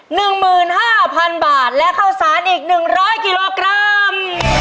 หนึ่งหมื่นห้าพันบาทและข้าวสารอีกหนึ่งร้อยกิโลกรัม